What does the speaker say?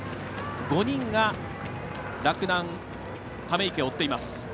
５人が洛南、溜池を追っています。